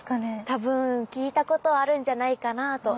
多分聞いたことはあるんじゃないかなと。